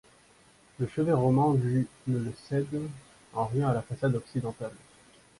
Le chevet roman du ne le cède en rien à la façade occidentale.